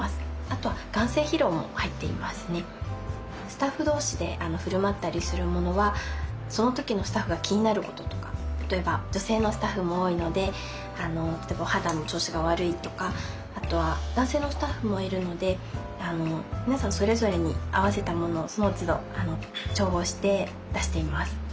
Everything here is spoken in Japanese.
スタッフ同士で振る舞ったりするものはその時のスタッフが気になることとか例えば女性のスタッフも多いので例えばお肌の調子が悪いとかあとは男性のスタッフもいるので皆さんそれぞれに合わせたものをそのつど調合して出しています。